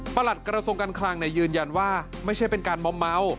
หลัดกระทรวงการคลังยืนยันว่าไม่ใช่เป็นการมอมเมา